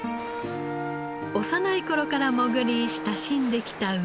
幼い頃から潜り親しんできた海。